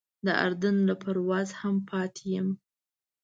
د اردن له پروازه هم پاتې یم.